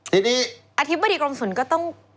ทีนี้อธิบดิกรมสนก็ต้อง